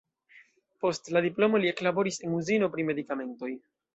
Post la diplomo li eklaboris en uzino pri medikamentoj.